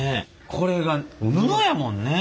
これが布やもんね。